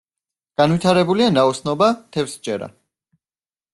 განვითარებულია ნაოსნობა, თევზჭერა.